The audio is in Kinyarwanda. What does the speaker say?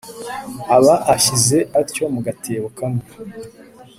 aba ashyize atyo mu gatebo kamwe